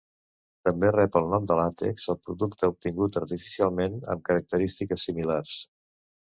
També rep el nom de làtex el producte obtingut artificialment amb característiques similars.